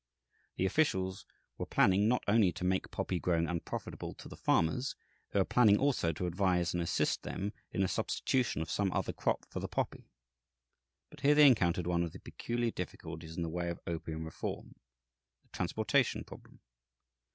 The officials were planning not only to make poppy growing unprofitable to the farmers, they were planning also to advise and assist them in the substitution of some other crop for the poppy. But here they encountered one of the peculiar difficulties in the way of opium reform, the transportation problem.